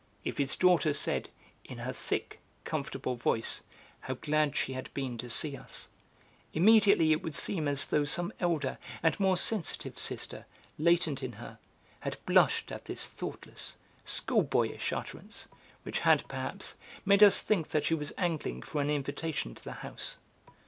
If his daughter said, in her thick, comfortable voice, how glad she had been to see us, immediately it would seem as though some elder and more sensitive sister, latent in her, had blushed at this thoughtless, schoolboyish utterance, which had, perhaps, made us think that she was angling for an invitation to the house.